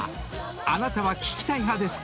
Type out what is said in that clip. あなたは聞きたい派ですか？］